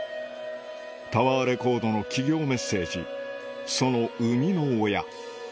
タワーレコードの企業メッセージその生みの親